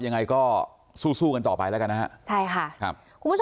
ยังไงก็สู้สู้กันต่อไปแล้วกันนะฮะใช่ค่ะครับคุณผู้ชม